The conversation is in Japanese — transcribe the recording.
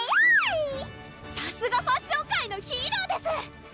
さすがファッション界のヒーローです！